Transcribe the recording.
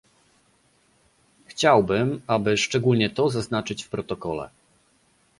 Chciałbym, aby szczególnie to zaznaczyć w protokole